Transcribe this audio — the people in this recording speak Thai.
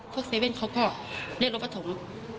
พวกเซเว่นเขาก็เรียกรบประสงค์